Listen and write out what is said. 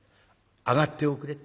上がっておくれ」。